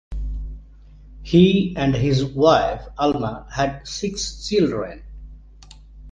He and his wife Alma had six children.